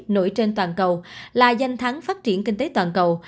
nổi trên toàn cầu là danh thắng phát triển kinh tế toàn cầu